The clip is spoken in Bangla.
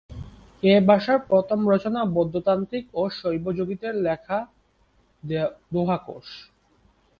এ ভাষার প্রথম রচনা বৌদ্ধ তান্ত্রিক ও শৈব যোগীদের লেখা দোহাকোষ।